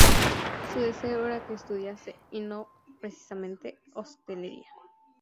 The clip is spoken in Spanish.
Su deseo era que estudiase, y no precisamente hostelería.